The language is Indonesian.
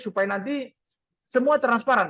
supaya nanti semua transparan